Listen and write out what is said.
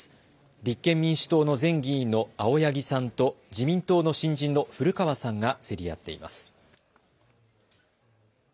立憲民主党の前議員の青柳さんと自民党の新人の古川さんが競り合っています。